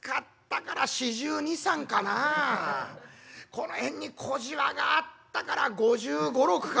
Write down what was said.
この辺に小じわがあったから５５５６かねえ。